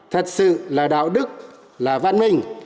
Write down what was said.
thật sự là đạo đức là văn minh